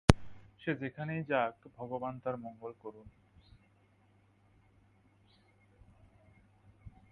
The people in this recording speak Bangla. সে যেখানেই যাক, ভগবান তার মঙ্গল করুন।